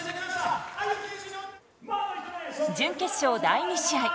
準決勝第２試合。